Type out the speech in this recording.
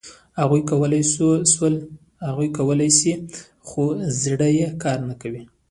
هغوی کولای شول، خو زړه یې نه کاوه.